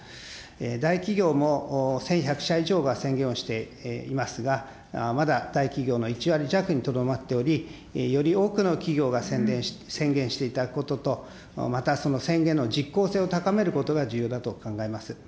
大企業も１１００社以上が宣言をしていますが、まだ大企業の１割弱にとどまっており、より多くの企業が宣言していただくことと、またその宣言の実効性を高めることが重要だと考えます。